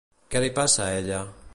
Què li passa a ella?